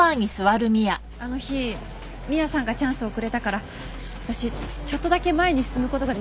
あの日ミアさんがチャンスをくれたから私ちょっとだけ前に進むことができました。